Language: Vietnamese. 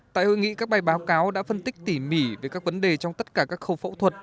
tại hội nghị các bài báo cáo đã phân tích tỉ mỉ về các vấn đề trong tất cả các khâu phẫu thuật